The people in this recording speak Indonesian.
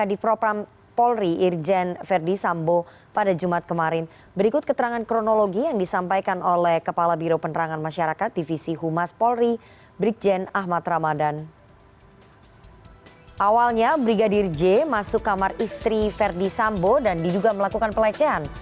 istri verdi sambo dan diduga melakukan pelecehan